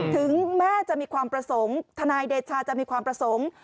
ถึงแม่จะมีความประสงค์ทนายเดชาจะมีความประสงค์